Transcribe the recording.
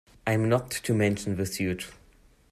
I am not to mention the suit.